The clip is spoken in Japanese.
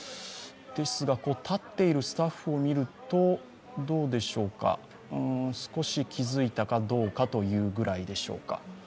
ですが、立っているスタッフを見ると、少し気づいたかどうかというぐらいでしょうか。